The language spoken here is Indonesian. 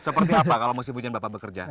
seperti apa kalau musim hujan bapak bekerja